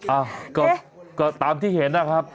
อ้าวก็ตามที่เห็นนะครับ